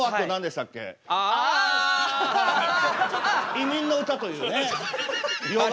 「移民の歌」というね洋楽。